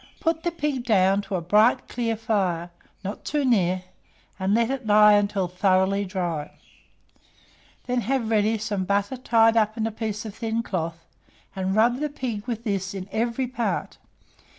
Put the pig down to a bright clear fire, not too near, and let it lay till thoroughly dry; then have ready some butter tied up in a piece of thin cloth, and rub the pig with this in every part.